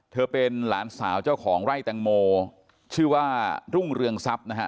เป็นหลานสาวเจ้าของไร่แตงโมชื่อว่ารุ่งเรืองทรัพย์นะฮะ